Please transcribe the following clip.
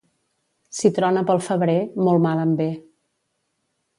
Si trona pel febrer, molt mal en ve.